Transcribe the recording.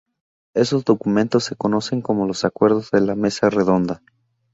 Esos documentos se conocen como los Acuerdos de la Mesa Redonda.